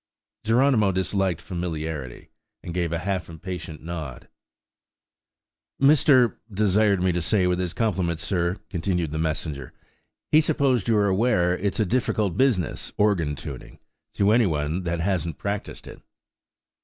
Geronimo disliked familiarity, and gave a half impatient nod. "Mr. — desired me to say, with his compliments, sir," continued the messenger, "he supposed you're aware it's a difficult business, organ tuning, to any one that hasn't practised it."